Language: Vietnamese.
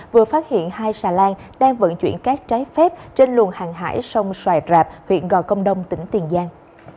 vừa phát hiện hai xà lan đang vận chuyển cát trái phép trên luồng hàng hải sông xoài rạp huyện gò công đông tỉnh tiền giang